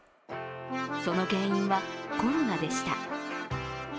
その原因は、コロナでした。